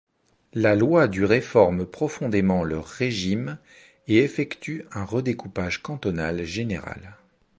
La loi du réforme profondément leur régime et effectue un redécoupage cantonal général.